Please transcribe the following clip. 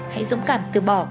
hãy dũng cảm từ bỏ